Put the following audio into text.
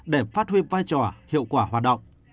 để phát huy vai trò hiệu quả hoạt động